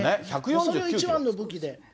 それが一番の武器で。